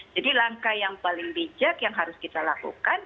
jadi langkah yang paling bijak yang harus kita lakukan